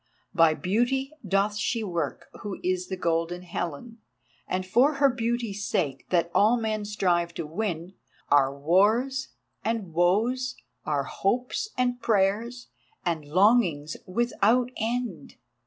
By beauty doth she work who is the Golden Helen, and for her beauty's sake, that all men strive to win, are wars and woes, are hopes and prayers, and longings without end.